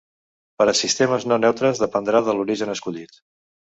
Per a sistemes no neutres dependrà de l'origen escollit.